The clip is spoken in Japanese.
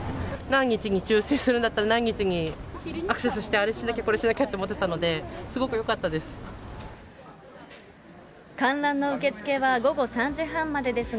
何日に抽せんするんだったら何日にアクセスして、あれしなきゃこれしなきゃって思ってたので、すごくよかったです。